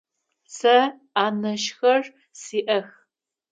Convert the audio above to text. Сэ анэшхэр сиӏэх.